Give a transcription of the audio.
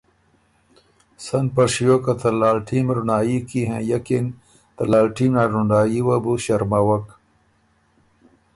سن په شیو که ته لالټېن رونړايي کی هېئکِن ته لالټېن ا رونړايي وه بو ݭرموَک